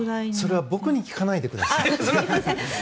それは僕に聞かないでください。